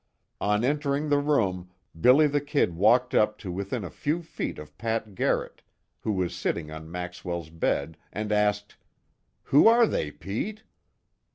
On entering the room, "Billy the Kid" walked up to within a few feet of Pat Garrett, who was sitting on Maxwell's bed, and asked: "Who are they, Pete?"